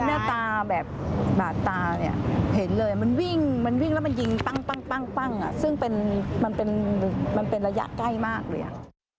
เห็นเลยหน้าตาแบบบาดตามันวิ่งมันวิ่งแล้วมันยิงปั้งซึ่งมันเป็นระยะใกล้มากเลย